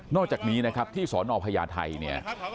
อกจากนี้นะครับที่สนพญาไทยเนี่ย